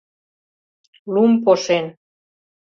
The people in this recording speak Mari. Лум пошен.